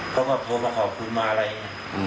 เขาก็โทรมาขอบคุณมาอะไรอย่างนี้